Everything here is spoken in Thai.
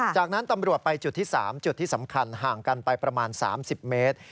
จากนั้นตำรวจไปจุดที่๓จุดที่สำคัญห่างกันไปประมาณ๓๐เมตร